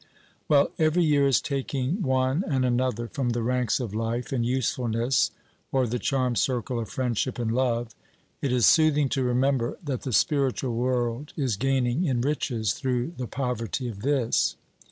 While every year is taking one and another from the ranks of life and usefulness, or the charmed circle of friendship and love, it is soothing to remember that the spiritual world is gaining in riches through the poverty of this.